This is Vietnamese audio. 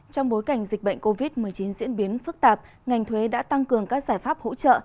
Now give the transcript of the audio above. trong bối cảnh dịch bệnh covid một mươi chín diễn biến phức tạp ngành thuế đã tăng cường các giải pháp hỗ trợ